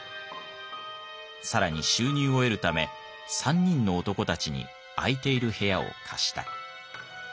更に収入を得るため３人の男たちに空いている部屋を貸した。